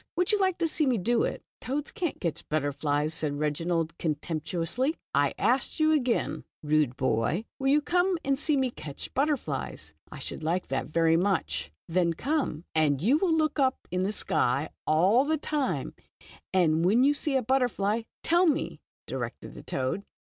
Would you like to see me do it ?" "Toads can't catch butterflies," said Reginald, contemptuously. " I ask you again, rude boy, will you come and see me catch butterflies?" "I should like to very much." "Then come, and you are to look up in the sky all the time, and when you see a butterfly, tell me," directed the toad.